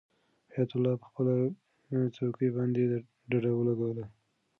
حیات الله په خپله چوکۍ باندې ډډه ولګوله.